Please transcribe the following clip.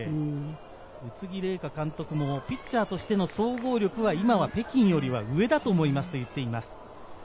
宇津木麗華監督もピッチャーとしての総合力は今は北京より上だと思っていますと言っていました。